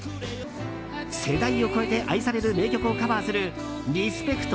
世代を超えて愛される名曲をカバーするリスペクト！！